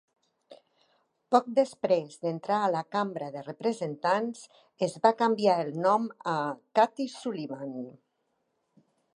Poc després d'entrar a la Cambra de representants es va canviar el nom a Kathy Sullivan.